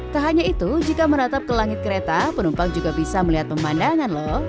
tak hanya itu jika meratap ke langit kereta penumpang juga bisa melihat pemandangan lho